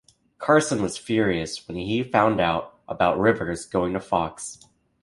Carson was furious when he found out about Rivers going to Fox.